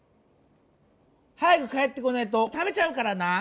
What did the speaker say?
早く帰ってこないと食べちゃうからな！